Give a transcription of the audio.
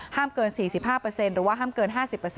ห้ามเกิน๔๕หรือว่าห้ามเกิน